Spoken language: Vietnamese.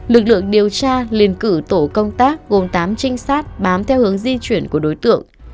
lực lượng điều tra liền cử tổ công tác gồm tám trinh sát bám theo hướng di chuyển của đối tượng